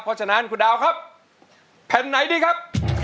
เพราะฉะนั้นคุณดาวครับแผ่นไหนดีครับ